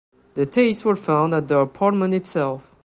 The tapes were found at the apartment itself.